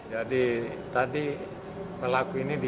jadi tadi pelaku ini di